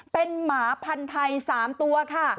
เป็นหมาพันธุ์ไทย๓ตัวค่ะ